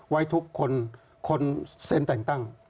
ไว้ทุกคนเซนต์แต่งตั้ง